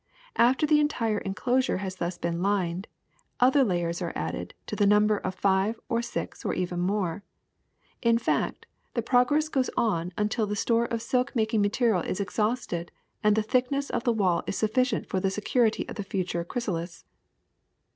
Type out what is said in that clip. After the en tire enclosure has thus been lined, other layers are added, to the number of five or six or even more. In fact, the process goes on until the store of silk mak ing material is exhausted and the thickness of the wall is sufficient for the security of the future chrysalis.